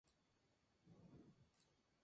Era de holgada posición económica y social.